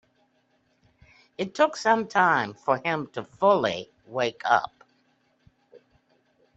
It took some time for him to fully wake up.